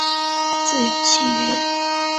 自由契约。